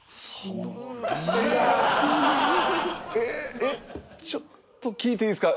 えちょっと聞いていいですか？